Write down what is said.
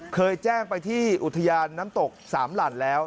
เคยแจ้งไปที่อุทยานน้ำตกสามหลั่นแล้ว